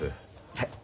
はい。